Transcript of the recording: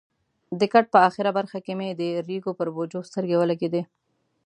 د کټ په اخره برخه کې مې د ریګو پر بوجیو سترګې ولګېدې.